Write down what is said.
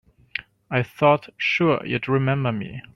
I thought sure you'd remember me.